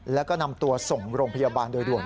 แล้วก็นำตัวส่งโรงพยาบาลโดยด่วน